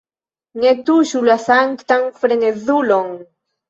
Ne tuŝu la sanktan frenezulon!